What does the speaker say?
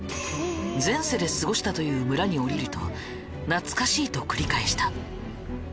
前世で過ごしたという村に降りると懐かしいと繰り返した。